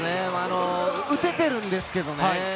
打てているんですけれどね。